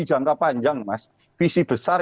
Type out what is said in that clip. jangka panjang mas visi besar